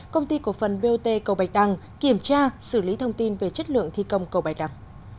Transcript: công ty cổ phần bot cầu bạch đăng kiểm tra xử lý thông tin về chất lượng thi công cầu bạch đăng